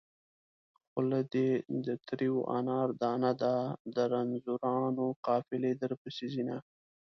خوله دې د تريو انار دانه ده د رنځورانو قافلې درپسې ځينه